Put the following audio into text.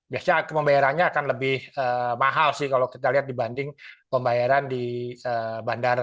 biasanya pembayarannya akan lebih mahal sih kalau kita lihat dibanding pembayaran di bandara